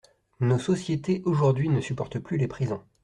Nos sociétés, aujourd’hui, ne supportent plus les prisons.